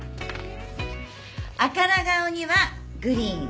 赤ら顔にはグリーン。